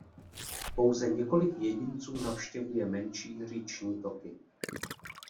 Pouze několik jedinců navštěvuje menší říční toky.